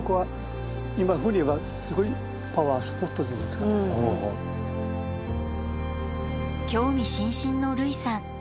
しかも興味津々の類さん。